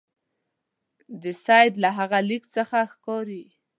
د سید له هغه لیک څخه ښکاري.